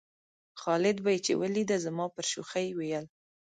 خالد به یې چې ولېده زما پر شوخۍ ویل.